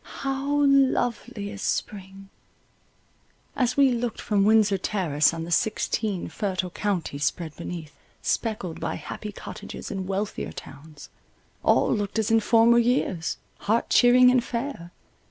How lovely is spring! As we looked from Windsor Terrace on the sixteen fertile counties spread beneath, speckled by happy cottages and wealthier towns, all looked as in former years, heart cheering and fair.